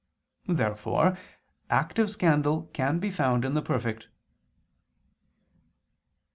Therefore active scandal can be found in the perfect. Obj.